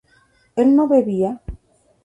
¿él no bebía?